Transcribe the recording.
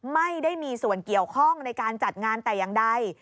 ไม่ได้มีส่วนเกี่ยวข้องในการจัดงานแต่อย่างใด